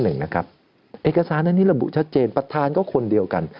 จะผิด๑๕๑นะครับเอกสารนั้นนี้ระบุชัดเจนประธานก็คนเดียวกัน